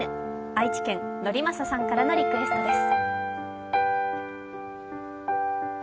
愛知県・のりまささんからのリクエストです。